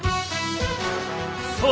そう！